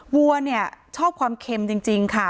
วัวเนี่ยชอบความเค็มจริงค่ะ